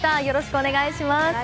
よろしくお願いします。